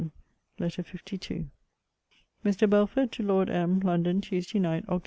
LETTER LII MR. BELFORD, TO LORD M. LONDON, TUESDAY NIGHT, OCT.